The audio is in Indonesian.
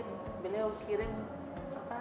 butuhkan saya mau kesehatan apapun